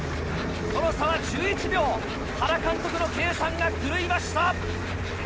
その差は１１秒原監督の計算が狂いました。